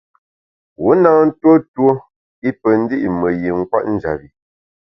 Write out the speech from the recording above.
Wu na ntuo tuo i pe ndi’ me yin kwet njap bi.